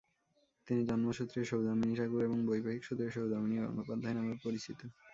তিনি জন্মসূত্রে সৌদামিনী ঠাকুর এবং বৈবাহিকসূত্রে সৌদামিনী গঙ্গোপাধ্যায় নামেও পরিচিত।